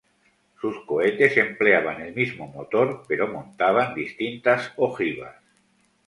Sus cohetes empleaban el mismo motor, pero montaban distintas ojivas.